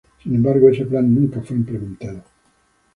Sin embargo, ese plan nunca fue implementado.